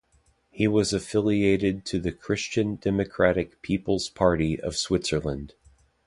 He was affiliated to the Christian Democratic People's Party of Switzerland.